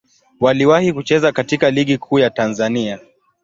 Waliwahi kucheza katika Ligi Kuu ya Tanzania.